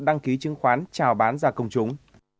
đăng ký chứng khoán trào bán ra công chúng